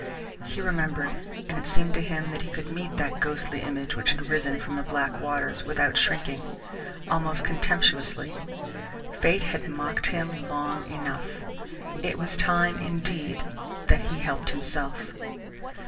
He remembered, and it seemed to him that he could meet that ghostly image which had risen from the black waters, without shrinking, almost contemptuously. Fate had mocked him long enough. It was time, indeed, that he helped himself.